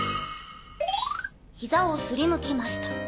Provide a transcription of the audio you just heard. ヒザを擦りむきました。